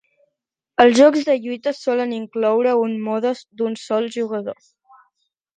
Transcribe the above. Els jocs de lluita solen incloure un mode d'un sol jugador.